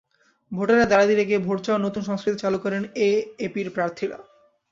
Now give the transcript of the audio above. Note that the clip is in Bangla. ভোটারের দ্বারে দ্বারে গিয়ে ভোট চাওয়ার নতুন সংস্কৃতি চালু করেন এএপির প্রার্থীরা।